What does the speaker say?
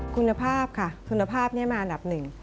คุณภาพค่ะคุณภาพนี้มาอันดับหนึ่ง